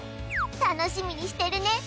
楽しみにしてるね